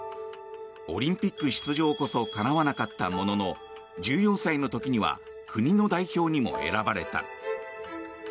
オリンピック出場こそかなわなかったものの１４歳の時には国の代表にも選ばれた。